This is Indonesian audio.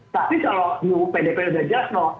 tapi kalau di ru pdp sudah jelas lho